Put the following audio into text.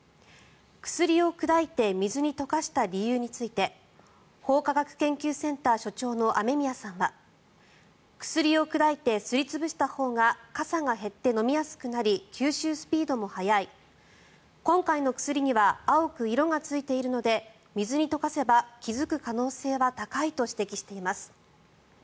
薬を砕いて水に溶かした理由について法科学研究センター所長の雨宮さんは薬を砕いてすり潰したほうがかさが減って飲みやすくなり吸収スピードも速い今回の薬には青く色がついているので水に溶かせば気付く可能性は高いと指摘しています。